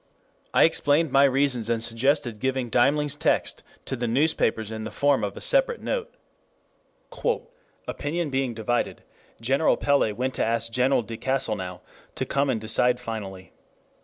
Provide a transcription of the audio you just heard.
I explained my reasons and suggested giving Deimling's text to the newspapers in the form of a separate note. "Opinion being divided, General Pellé went to ask General de Castelnau to come and decide finally.